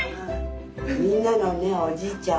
みんなのねおじいちゃん